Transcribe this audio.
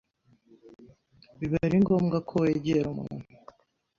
biba ari ngombwa ko wegera umuntu